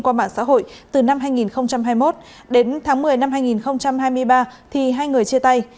qua mạng xã hội từ năm hai nghìn hai mươi một đến tháng một mươi năm hai nghìn hai mươi ba thì hai người chia tay